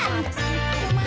jangan terlalu banyak